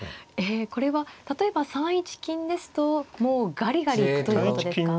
ええこれは例えば３一金ですともうガリガリ行くということですか。